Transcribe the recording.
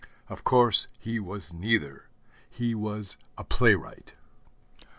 Of course he was neither. He was a playwright.